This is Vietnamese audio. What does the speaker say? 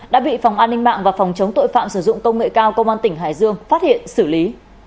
đã bị phòng an ninh mạng và phòng chống tội phạm sử dụng công nghệ cao công an tỉnh hải dương phát hiện xử lý